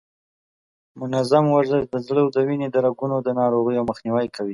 منظم ورزش د زړه او د وینې د رګونو د ناروغیو مخنیوی کوي.